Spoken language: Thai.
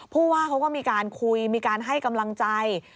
ผู้ว่าเขาก็มีการคุยมีการให้กำลังใจ